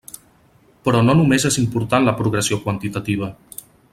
Però no només és important la progressió quantitativa.